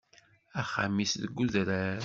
Axxam-is deg udrar.